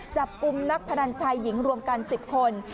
จับกลุ่มนักพนันชายหญิงรวมกัน๑๐คน